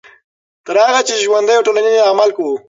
تر هغه چې ژوندي یو ټولنیز عمل کوو.